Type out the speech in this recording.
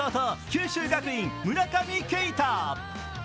九州学院・村上慶太。